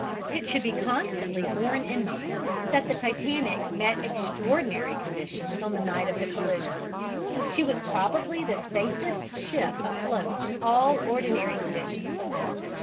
It should be constantly borne in mind that the Titanic met extraordinary conditions on the night of the collision: she was probably the safest ship afloat in all ordinary conditions.